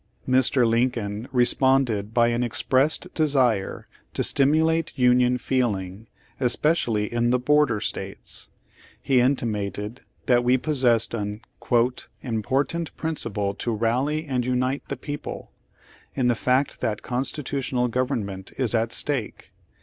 Mr. Lincoln responded by an expressed de sire to stimulate Union feeling especially in the border States. He intimated that V\^e possessed an "important principle to rally and unite the people, in the fact that constitutional government is at stake.